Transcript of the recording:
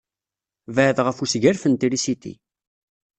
Bɛed ɣef wesgalef n trisiti.